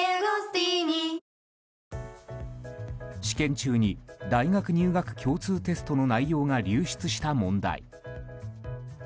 試験中に大学入学共通テストの内容が流出した問題。